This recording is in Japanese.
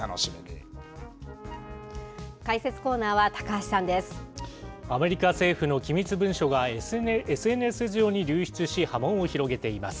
解説コーナーは、高橋さんでアメリカ政府の機密文書がＳＮＳ上に流出し、波紋を広げています。